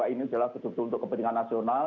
ini adalah sesuatu untuk kepentingan nasional